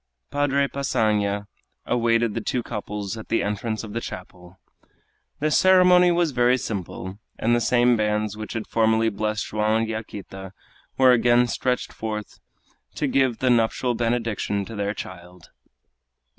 Padre Passanha awaited the two couples at the entrance of the chapel. The ceremony was very simple, and the same bands which had formerly blessed Joam and Yaquita were again stretched forth to give the nuptial benediction to their child.